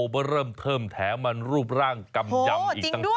เมื่อเริ่มเพิ่มแถมมันรูปร่างกำยำอีกต่าง